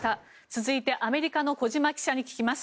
続いてアメリカの小島記者に聞きます。